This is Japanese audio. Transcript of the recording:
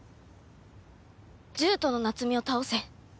獣人の夏美を倒せ。